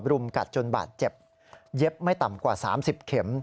รุมกัดจนบาดเจ็บเย็บไม่ต่ำกว่า๓๐เข็ม